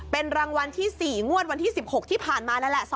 เป็นรางวัลที่๔งวดวันที่๑๖ที่ผ่านมานั่นแหละ